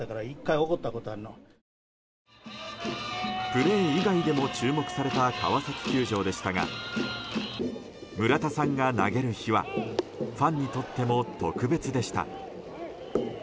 プレー以外でも注目された川崎球場でしたが村田さんが投げる日はファンにとっても特別でした。